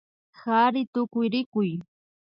Kari tukuyrikuy